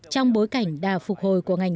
trong bối cảnh đà phục hồi của ngành